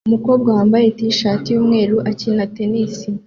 Umukobwa wambaye T-shirt yumweru akina tennis